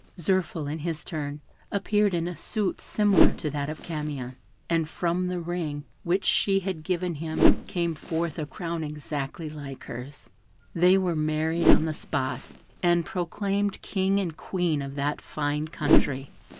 Zirphil, in his turn, appeared in a suit similar to that of Camion; and from the ring which she had given him came forth a crown exactly like hers. They were married on the spot, and proclaimed King and Queen of that fine country.